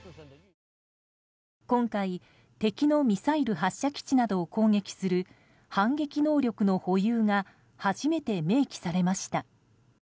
今回、敵のミサイル発射基地などを攻撃する反撃能力の保有が初めて明記されました。